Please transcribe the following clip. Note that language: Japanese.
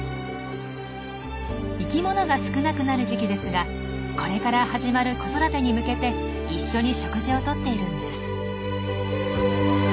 生きものが少なくなる時期ですがこれから始まる子育てに向けて一緒に食事をとっているんです。